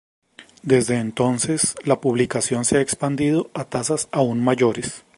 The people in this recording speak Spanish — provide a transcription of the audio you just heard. Desde entonces, la publicación se ha expandido a tasas aún mayores.